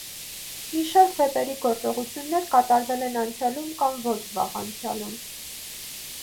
Մի շարք վեպերի գործողություններ կատարվել են անցյալում կամ ոչ վաղ անցյալում։